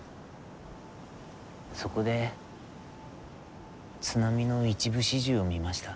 そこで津波の一部始終を見ました。